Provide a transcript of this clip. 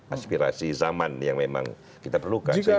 aspirasi zaman yang memang kita perlukan